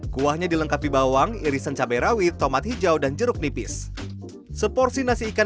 kuahnya dilengkapi bawang irisan cabai rawit tomat hijau dan jeruk nipis seporsi nasi ikan